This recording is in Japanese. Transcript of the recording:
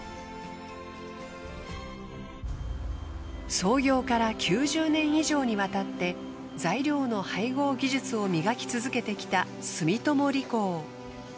創業から９０年以上にわたって材料の配合技術を磨き続けてきた住友理工。